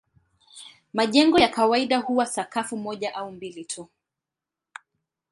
Majengo ya kawaida huwa sakafu moja au mbili tu.